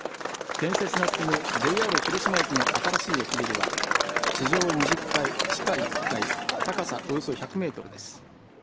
建設が進むＪＲ広島駅の新しい駅ビルは地上２０階、地下１階高さおよそ１００メートルです。